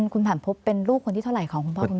คุณผ่านพบเป็นลูกคนที่เท่าไหร่ของคุณพ่อคุณแม่